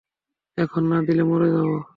এখন না দিলে মরে যাবে।